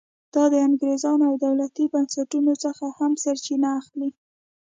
دا د انګېزو او دولتي بنسټونو څخه هم سرچینه اخلي.